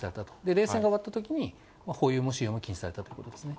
冷戦が終わったときに、保有も使用も禁止されたということですね。